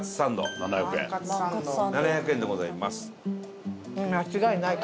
７００円でございます。